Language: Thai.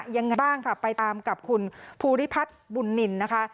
ยังไงบ้างค่ะไปตามกับคุณภูริพัฒน์บุญนินนะคะ